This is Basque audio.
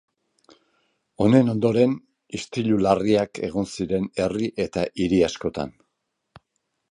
Honen ondoren istilu larriak egon ziren herri eta hiri askotan.